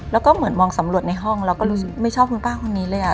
แล้วก็เหมือนมองสำรวจในห้องแล้วก็รู้สึกไม่ชอบคุณป้าคนนี้เลยอ่ะ